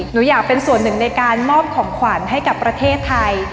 หนูอยากเป็นส่วนหนึ่งในการมอบของขวัญให้กับประเทศไทย